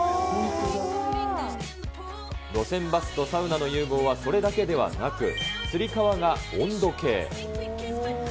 路線バスとサウナの融合は、それだけではなく、つり革が温度計。